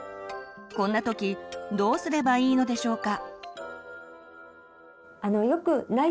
こんな時どうすればいいのでしょうか。